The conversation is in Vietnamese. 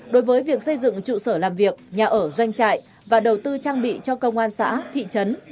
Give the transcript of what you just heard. đối với việc xây dựng trụ sở làm việc nhà ở doanh trại và đầu tư trang bị cho công an xã thị trấn